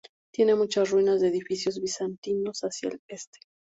Tiene muchas ruinas de edificios bizantinos hacia el este.